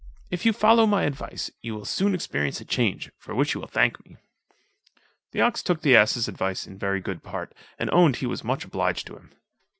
If you follow my advice, you will soon experience a change, for which you will thank me." The ox took the ass's advice in very good part, and owned he was much obliged to him.